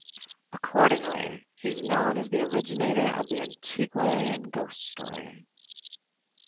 Accordingly, he is known as the originator of the "antiquarian ghost story".